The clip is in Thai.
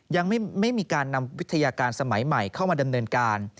ยังไม่มีการนำวิทยาการสมัยใหม่เข้ามาดำเนินการ